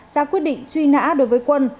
sẽ quyết định truy nã đối với quân